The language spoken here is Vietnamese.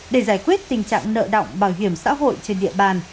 để giải quyết tình trạng nợ động bảo hiểm xã hội trên địa bàn